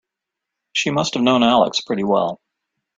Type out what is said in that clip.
She must have known Alex pretty well.